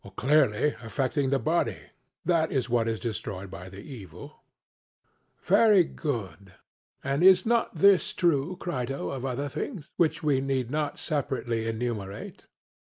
CRITO: Clearly, affecting the body; that is what is destroyed by the evil. SOCRATES: Very good; and is not this true, Crito, of other things which we need not separately enumerate?